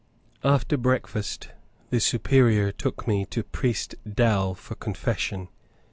After breakfast the Superior took me to Priest Dow for confession.